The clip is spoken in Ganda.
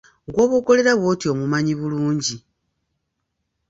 Gw'oboggolera bwotyo omumanyi bulungi.